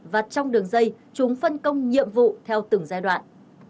và trong đường dây chúng phân công nhiệm vụ theo từng giai đoạn